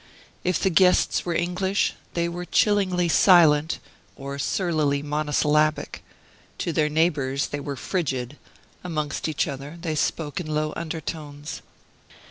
If the guests were English, they were chillingly silent, or surlily monosyllabic: to their neighbors they were frigid; amongst each other they spoke in low undertones.